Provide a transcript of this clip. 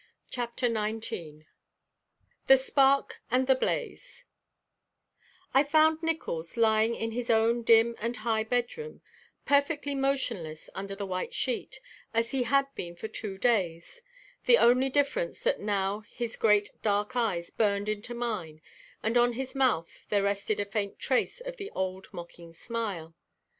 CHAPTER XIX THE SPARK AND THE BLAZE I found Nickols lying in his own dim and high bedroom, perfectly motionless under the white sheet, as he had been for two days, the only difference that now his great dark eyes burned into mine and on his mouth there rested a faint trace of the old mocking smile.